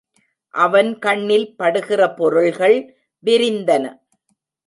அவன் கண்ணில் படுகிற பொருள்கள் விரிந்தன.